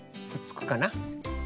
くっつくかな。